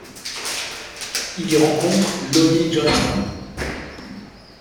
Il y rencontre Lonnie Johnson.